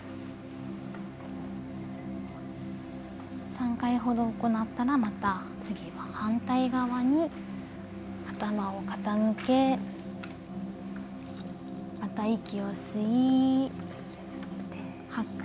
３回ほど行ったらまた次は反対側に頭を傾けまた息を吸い、吐く。